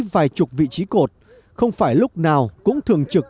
phải trục vị trí cột không phải lúc nào cũng thường trực